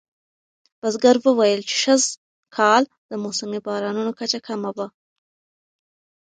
بزګر وویل چې سږکال د موسمي بارانونو کچه کمه وه.